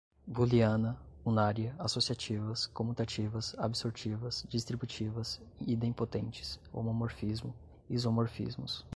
booleana, unária, associativas, comutativas, absortivas, distributivas, idempotentes, homomorfismo, isomorfismos